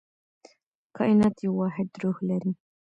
کائنات یو واحد روح لري.